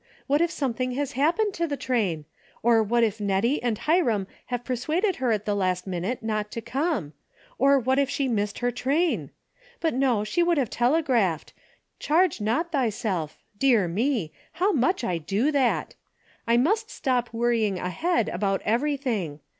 What if something has happened to the train ? Or what if Nettie and Hiram have persuaded her at the last minute not to come ? Or what if she missed her train ? But no, she would have telegraphed. ' Charge not thyself,' — dear me ! How much Ido that. I must stop worrying ahead about everything.